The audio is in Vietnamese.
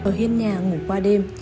ở hiên nhà ngủ qua đêm